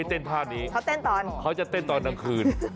เขาเนี่ยนะกลางวันเขาจะเต้นตอนดังคืน